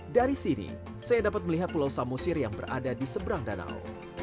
dari sini saya dapat melihat pulau samosir yang berada di seberang danau